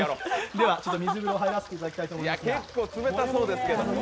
では、水風呂に入らせていただきたいと思います。